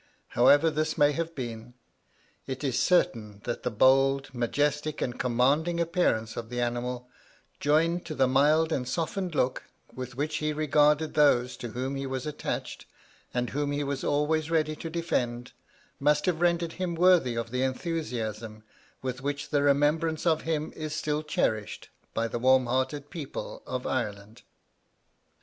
However this may have been, it is certain that the bold, majestic, and commanding appearance of the animal, joined to the mild and softened look with which he regarded those to whom he was attached, and whom he was always ready to defend, must have rendered him worthy of the enthusiasm with which the remembrance of him is still cherished by the warm hearted people of Ireland.